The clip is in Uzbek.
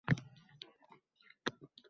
Javob berasizlar… Axir… Bu qiliq…